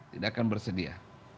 tidak akan bersedia